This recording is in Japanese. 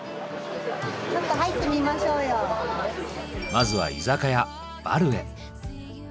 まずは居酒屋「バル」へ。